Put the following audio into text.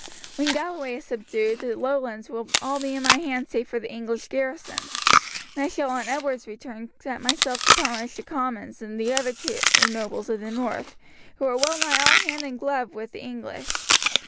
When Galloway is subdued the lowlands will be all in my hands save for the English garrisons, and I shall on Edward's return set myself to punish the Comyns and the other traitor nobles of the north, who are well nigh all hand and glove with the English.